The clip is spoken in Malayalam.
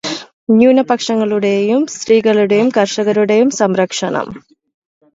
ന്യൂനപക്ഷങ്ങളുടേയും, സ്ത്രീകളുടെയും, കര്ഷകരുടേയും സംരക്ഷണം